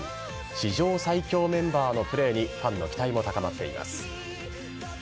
史上最強メンバーのプレーにファンの期待も高まっています。